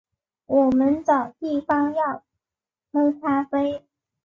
我们找地方要喝咖啡